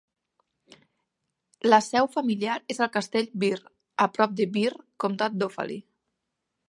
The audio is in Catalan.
La seu familiar és al castell Birr, a prop de Birr, comtat d'Offaly.